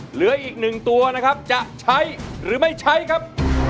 เหลืออีกหนึ่งตัวนะครับจะใช้หรือไม่ใช้ครับ